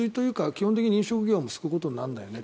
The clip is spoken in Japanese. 基本的に飲食業も救うことになるんだよね。